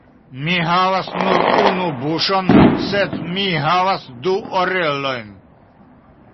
Mi havas nur unu buŝon, sed mi havas du orelojn.